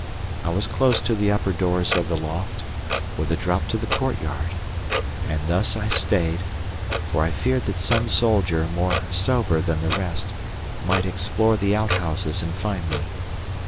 I was close to the upper doors of the loft, with a drop to the courtyard, and thus I stayed, for I feared that some soldier, more sober than the rest, might explore the outhouses and find me.